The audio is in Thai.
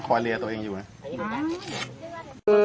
ก็ดีใช่เนื้อ